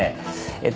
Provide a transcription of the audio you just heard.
えっと